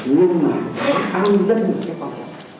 nhưng mà an dân là cái quan trọng